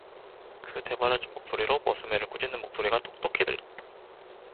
그 되바라진 목소리로 머슴애를 꾸짖는 목소리가 똑똑히 들렸다.